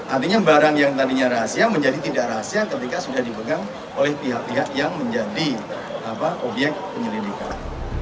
artinya barang yang tadinya rahasia menjadi tidak rahasia ketika sudah dipegang oleh pihak pihak yang menjadi obyek penyelidikan